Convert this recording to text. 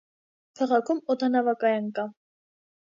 Քաղաքում օդանավակայան կա։